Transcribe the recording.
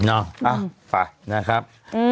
อ้าวไปนะครับ